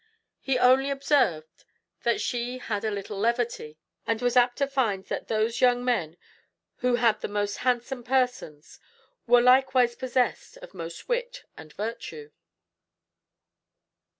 He only observed that she had a little levity; and was too apt to find that those young men who had the most handsome persons were likewise possessed of most wit and virtue.